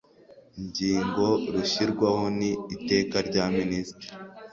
ngingo rushyirwaho n Iteka rya Minisitiri